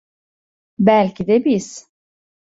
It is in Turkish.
Belki de biz…